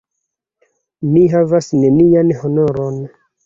Mi havas nenian honoron!